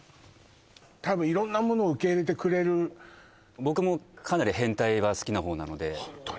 多分色んなものを受け入れてくれる僕もかなり変態は好きなほうなのでホントに？